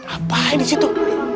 apaan di situ